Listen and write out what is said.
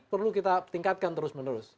perlu kita tingkatkan terus menerus